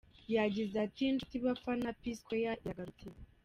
Yagize ati “Nshuti bafana, P Square iragarutse.